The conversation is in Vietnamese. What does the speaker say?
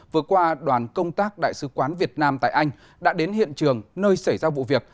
vừa qua đoàn công tác đại sứ quán việt nam tại anh đã đến hiện trường nơi xảy ra vụ việc